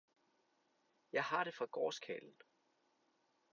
Jeg har det fra gårdskarlen.